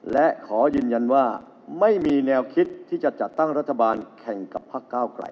และขอยืนยันว่าไม่มีแนวคิดที่จะจัดตั้งรัฐบาลแข่งกับพักก้าวไกล